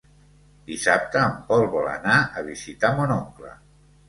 Dissabte en Pol vol anar a visitar mon oncle.